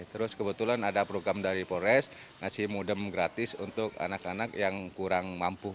terus kebetulan ada program dari polres ngasih modem gratis untuk anak anak yang kurang mampu